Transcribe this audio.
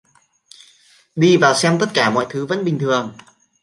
Đi vào xem tất cả mọi thứ vẫn bình thường